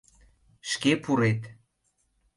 — Шке пурет.